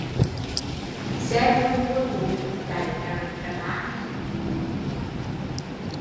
Xe tui mua cũ lại, chạy cà rật cà tang